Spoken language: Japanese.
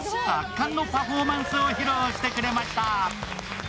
圧巻のパフォーマンスを披露してくれました。